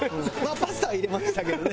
パスタは入れましたけどね。